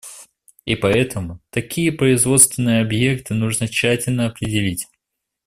И поэтому такие производственные объекты нужно тщательно определить.